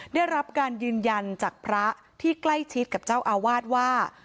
ได้รับการยืนยันจากพระที่ใกล้ชิดกับเจ้าอาวาสว่า